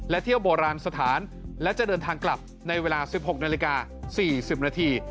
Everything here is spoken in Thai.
และเที่ยวโบราณสถานและจะเดินทางกลับในเวลา๑๖นาฬิกา๔๐นาที